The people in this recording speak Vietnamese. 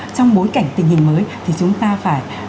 trong bối cảnh tình hình mới thì chúng ta phải